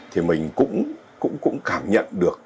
thì mình cũng cảm nhận được